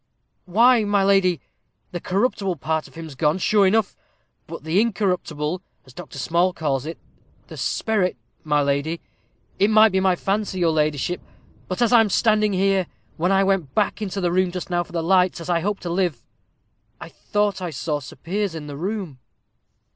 "Why, my lady, the corruptible part of him's gone, sure enough. But the incorruptible, as Dr. Small calls it the sperrit, my lady. It might be my fancy, your ladyship; but as I'm standing here, when I went back into the room just now for the lights, as I hope to live, I thought I saw Sir Piers in the room."